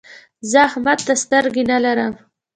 زه احمد ته سترګې نه لرم.